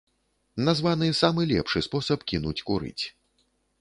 Названы самы лепшы спосаб кінуць курыць.